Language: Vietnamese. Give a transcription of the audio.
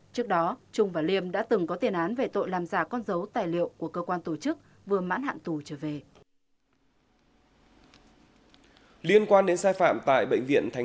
trước đó trung và liêm đã từng có tiền án về tội làm giả con dấu tài liệu của cơ quan tổ chức vừa mãn hạn tù trở về